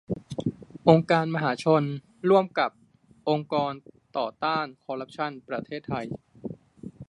องค์การมหาชน ร่วมกับ องค์กรต่อต้านคอร์รัปชั่น ประเทศไทย